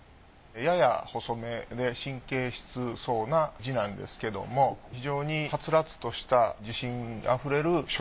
やや細めで神経質そうな字なんですけども非常にはつらつとした自信あふれる書。